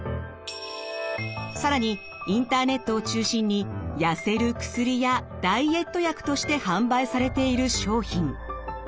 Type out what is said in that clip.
更にインターネットを中心にやせる薬やダイエット薬として販売されている商品。